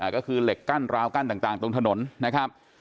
ก็คือเหล็กกั้นราวกั้นต่างตรงถนนนะครับ